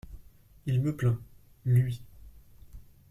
Il me plaint, lui!